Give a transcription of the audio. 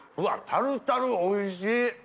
タルタルおいしい。